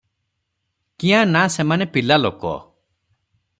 କିଆଁ ନା ସେମାନେ ପିଲାଲୋକ ।